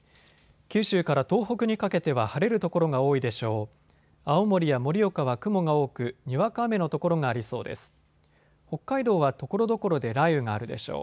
九州から東北にかけては晴れる所が多いでしょう。